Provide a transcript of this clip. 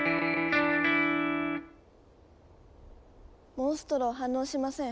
モンストロ反応しません。